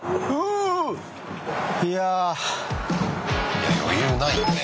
いや余裕ないよね。